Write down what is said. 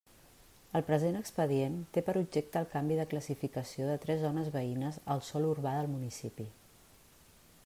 El present expedient té per objecte el canvi de classificació de tres zones veïnes al sòl urbà del municipi.